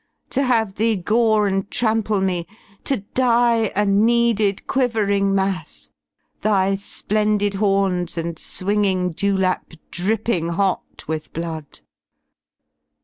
To have thee gore and trample me, to die A kneaded quivering mass, thy splendid horns And swinging dewlap dripping hot with blood.